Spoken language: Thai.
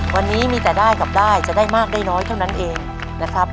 วันนี้มีแต่ได้กับได้จะได้มากได้น้อยเท่านั้นเองนะครับ